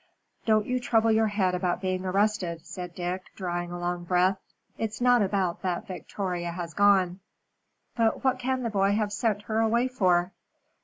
"Don't you trouble your head about being arrested," said Dick, drawing a long breath. "It's not about that Victoria has gone." "But what can the boy have sent her away for?"